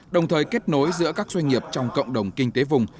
đồng thời kết nối giữa các doanh nghiệp trong cộng đồng kinh tế vùng